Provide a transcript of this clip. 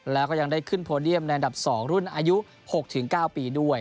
แล้วก็ยังได้ขึ้นโพเดียมในอันดับ๒รุ่นอายุ๖๙ปีด้วย